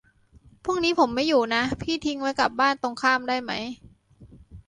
พรุ่งนี้ผมไม่อยู่นะ พี่ทิ้งไว้กับบ้านตรงข้ามได้ไหม